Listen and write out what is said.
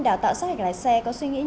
rất ngọt cơ hội đúng không